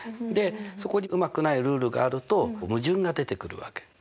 でそこにうまくないルールがあると矛盾が出てくるわけ。